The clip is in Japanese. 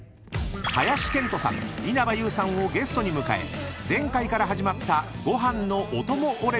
［林遣都さん稲葉友さんをゲストに迎え前回から始まったご飯のおともオレコレ］